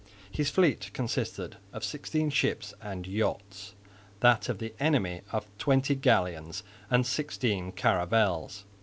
His fleet consisted of sixteen ships and yachts, that of the enemy of twenty galleons and sixteen caravels.